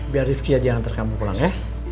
biar ripki aja yang nantikan kamu pulang ya